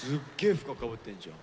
深くかぶってんじゃん。